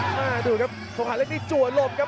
หน้าดูครับโทครันเล็กนี้จ่วลบครับ